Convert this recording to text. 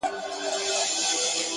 پرمختګ د تکراري هڅو حاصل دی